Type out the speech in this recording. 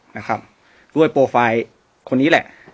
นะครับด้วยโปรไฟล์คนนี้แหละ